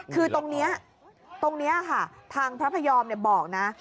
คือตรงนี้ตรงนี้ค่ะทางพระพยอมบอกนะ